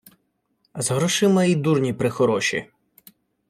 З грошима й дурні прехороші!